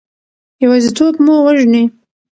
یوازیتوب مو وژني.